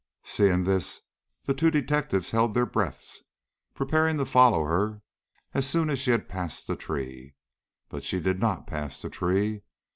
Seeing this, the two detectives held their breaths, preparing to follow her as soon as she had passed the tree. But she did not pass the tree.